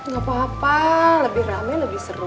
nggak apa apa lebih ramai lebih seru